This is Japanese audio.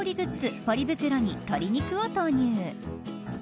ポリ袋に鶏肉を投入。